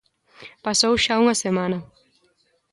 Pasou xa unha semana.